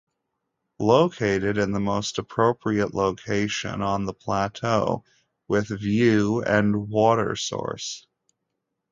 Located in the most appropriate location on the plateau with view and water source.